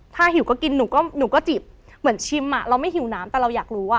ถ้าหิวก็กินหนูก็จีบเหมือนชิมอ่ะเราไม่หิวน้ำแต่เราอยากรู้อ่ะ